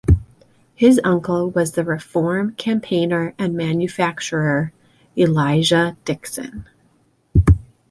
His uncle was the reform campaigner and manufacturer Elijah Dixon.